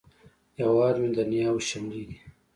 هیواد مې د نیاوو شملې دي